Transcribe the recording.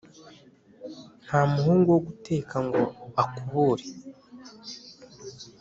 Nta muhungu wo guteka ngo akubure.